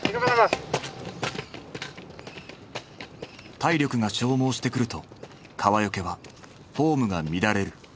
体力が消耗してくると川除はフォームが乱れる。